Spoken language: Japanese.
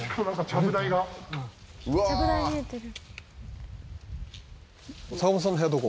「ちゃぶ台見えてる」